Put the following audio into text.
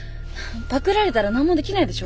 パクられたら何もできないでしょ？